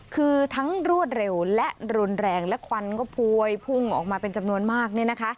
คือทั้งรวดเร็วและรุนแรงและควันก็พวยพุ่งออกมาเป็นจำนวนมากเนี่ยนะคะ